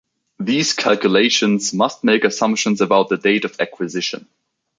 These calculations must make assumptions about the date of acquisition.